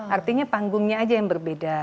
artinya panggungnya aja yang berbeda